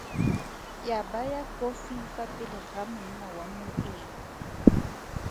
Ya baya kofi fa pele ga monna wa moeng.